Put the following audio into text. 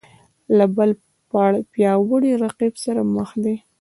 له بل پیاوړي رقیب سره مخ دی